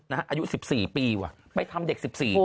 อายุ๑๔ปีว่ะไปทำเด็ก๑๔